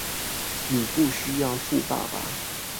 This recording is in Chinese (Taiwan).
你不需要富爸爸